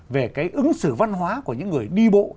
về cái ứng xử văn hóa của những người đi bộ